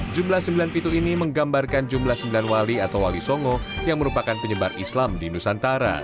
jumlah sembilan pintu ini menggambarkan jumlah sembilan wali atau wali songo yang merupakan penyebar islam di nusantara